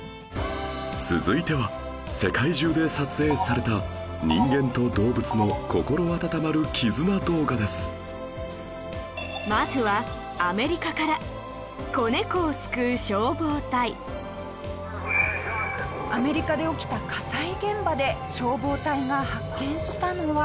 続いては、世界中で撮影された人間と動物の心温まる絆動画ですまずは、アメリカから子猫を救う消防隊下平：アメリカで起きた火災現場で消防隊が発見したのは。